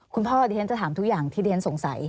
คุณพ่อดิฉันจะถามทุกอย่างที่เรียนสงสัย